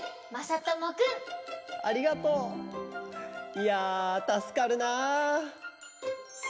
いやたすかるなあ。